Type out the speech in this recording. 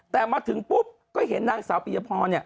แต่มาถึงปุ๊บก็เห็นนางสาวปียพร